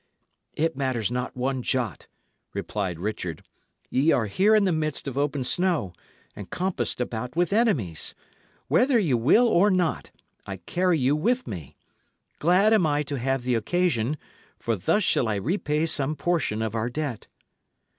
"It matters not one jot," replied Richard. "Ye are here in the midst of open snow, and compassed about with enemies. Whether ye will or not, I carry you with me. Glad am I to have the occasion; for thus shall I repay some portion of our debt."